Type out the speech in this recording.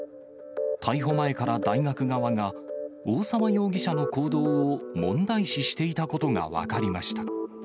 逮捕前から大学側が、大沢容疑者の行動を問題視していたことが分かりました。